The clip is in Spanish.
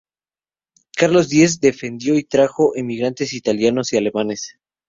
Carlos Díez defendió y trajo emigrantes italianos y alemanes.